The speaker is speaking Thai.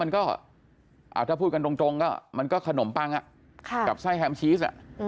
มันก็ถ้าพูดกันตรงก็มันก็ขนมปังกับไส้แฮมชีส